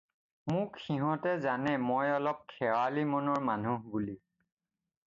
মোক সিহঁতে জানে মই অলপ খেয়ালী মনৰ মানুহ বুলি।